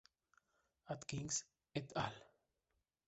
Atkins "et al.